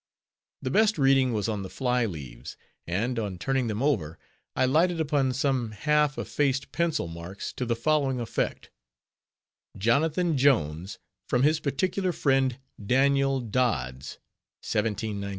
The best reading was on the fly leaves; and, on turning them over, I lighted upon some half effaced pencil marks to the following effect: "Jonathan Jones, from his particular friend Daniel Dods, 1798."